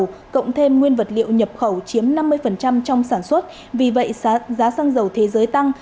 cộng thêm nguyên vật liệu nhập khẩu chiếm năm mươi trong sản xuất vì vậy giá xăng dầu thế giới tăng